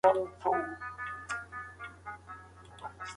خلکو پخوانيو کتابونو ته اسانه لاسرسی وموند.